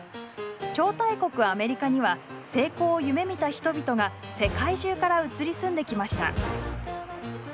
超大国アメリカには成功を夢みた人々が世界中から移り住んできました。